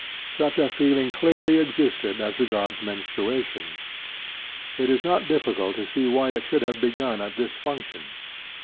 Such a feeling clearly existed as regards menstruation. It is not difficult to see why it should have begun at this function.